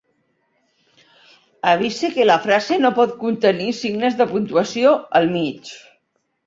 Avise que la frase no pot contenir signes de puntuació al mig.